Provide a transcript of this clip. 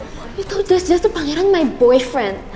you tau des des tuh pangaran my boyfriend